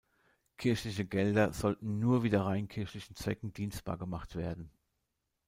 Kirchliche Gelder sollten „nur wieder rein kirchlichen Zwecken dienstbar gemacht werden“.